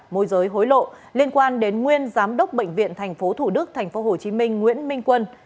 môi giới hối lộ liên quan đến nguyên giám đốc bệnh viện tp thủ đức tp hồ chí minh nguyễn minh quân